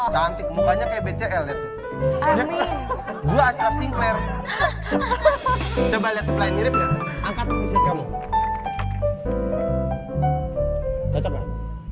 cantik mukanya kayak bcl itu gue asraf singkler coba lihat sebelah mirip angkat